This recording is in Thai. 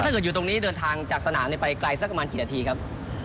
อยู่ตรงนี้เดินทางจากสนามไปไกลสักประมาณกี่นาทีครับ